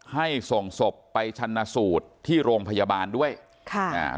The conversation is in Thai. ให้ส่งศพไปชนะสูตรที่โรงพยาบาลด้วยค่ะอ่า